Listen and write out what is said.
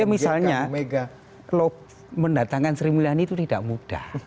misalnya mendatangkan sri mulyani itu tidak mudah